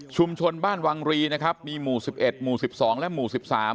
บ้านวังรีนะครับมีหมู่๑๑หมู่๑๒และหมู่๑๓